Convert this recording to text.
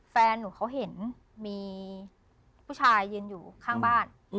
แฟนหนูเขาเห็นมีผู้ชายยืนอยู่ข้างบ้าน